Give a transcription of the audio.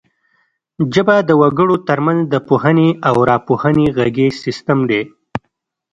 ژبه د وګړو ترمنځ د پوهونې او راپوهونې غږیز سیستم دی